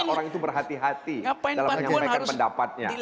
orang itu berhati hati dalam menyampaikan pendapatnya